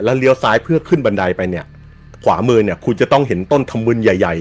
เลี้ยวซ้ายเพื่อขึ้นบันไดไปเนี่ยขวามือเนี่ยคุณจะต้องเห็นต้นทำบุญใหญ่ใหญ่